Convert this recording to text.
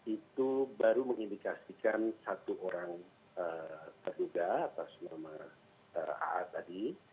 itu baru mengindikasikan satu orang terduga atas nama aa tadi